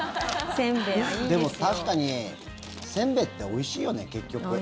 でも確かにせんべいっておいしいよね、結局。